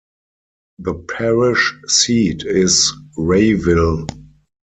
The parish seat is Rayville.